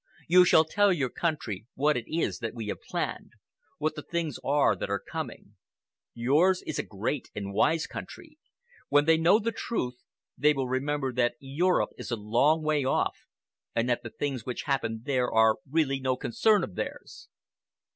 You shall tell your country what it is that we have planned, what the things are that are coming. Yours is a great and wise country. When they know the truth, they will remember that Europe is a long way off and that the things which happen there are really no concern of theirs.